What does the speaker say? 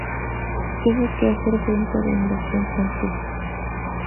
Tuvo que hacer frente a la invasion francesa.